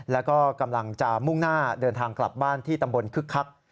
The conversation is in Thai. แล้วก็กำลังจะมุ่งหน้าเดินทางกลับบ้านที่ตำบลคึกคัก